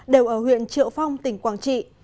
đều ở huyện triệu phong tỉnh quảng trị